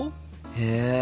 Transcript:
へえ。